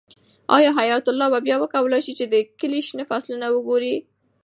آیا حیات الله به بیا وکولی شي چې د کلي شنه فصلونه وګوري؟